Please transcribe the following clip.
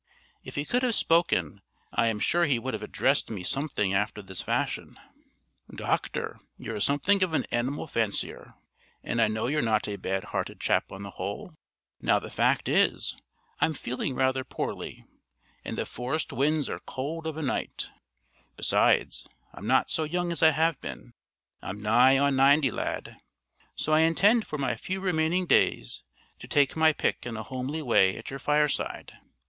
If he could have spoken, I am sure he would have addressed me something after this fashion: "Doctor, you're something of an animal fancier, and I know you're not a bad hearted chap on the whole. Now the fact is, I'm feeling rather poorly, and the forest winds are cold of a night; besides, I'm not so young as I have been, I'm nigh on ninety, lad, so I intend for my few remaining days to take my pick in a homely way at your fireside.